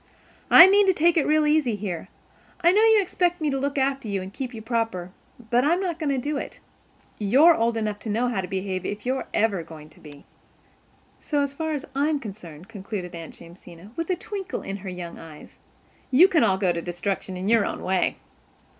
I mean to take it real easy here. I know you expect me to look after you and keep you proper, but I'm not going to do it. You're old enough to know how to behave if you're ever going to be. So, as far as I am concerned," concluded Aunt Jamesina, with a twinkle in her young eyes, "you can all go to destruction in your own way."